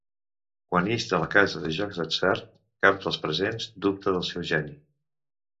Quan ix de la casa de jocs d'atzar, cap dels presents dubta del seu geni.